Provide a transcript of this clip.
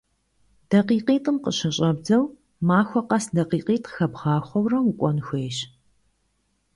ДакъикъитӀым къыщыщӀэбдзэу, махуэ къэс дакъикъитӀ хэбгъахъуэурэ укӀуэн хуейщ.